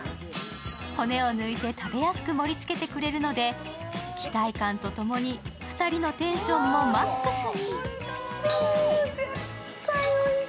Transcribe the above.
骨を抜いて食べやすく盛りつけてくれるので期待感とともに２人のテンションもマックスに。